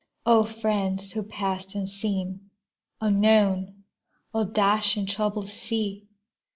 O friends who passed unseen, unknown! O dashing, troubled sea!